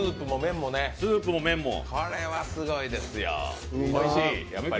これはすごいですよ、おいしい？